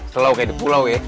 selau kayak di pulau ya